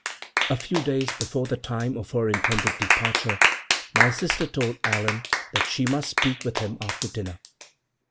A few days before the time of her intended departure my sister told Allan that she must speak with him after dinner.